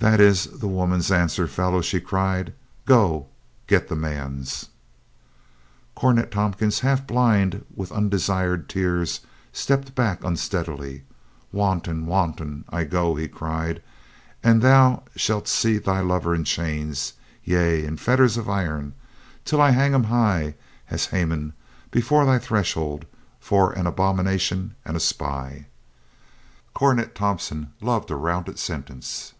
"That is the woman's answer, fellow !" she cried. "Go, get the man's !" Cornet Tompkins, half blind with undesired tears, stepped back unsteadily. "Wanton, wanton, I go!" he cried, "and thou shalt see thy lover in chains, yea, in fetters of iron, till I hang him high as Haman before thy threshold for an abomination and a spy !" Cornet Tompkins loved a rounded sentence.